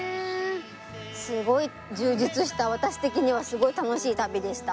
すごい充実した私的にはすごい楽しい旅でした。